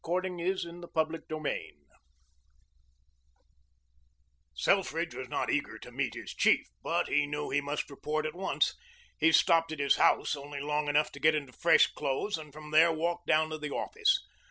CHAPTER XV GORDON BUYS A REVOLVER Selfridge was not eager to meet his chief, but he knew he must report at once. He stopped at his house only long enough to get into fresh clothes and from there walked down to the office.